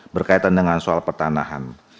berkaitan dengan soal pertanahan